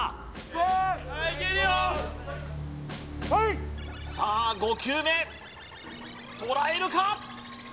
プレーさあ５球目捉えるか！？